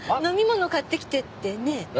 飲み物買ってきてってねえ。